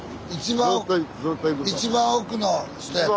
一番奥の人やって。